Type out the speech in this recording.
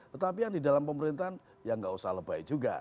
tetapi yang di dalam pemerintahan ya nggak usah lebay juga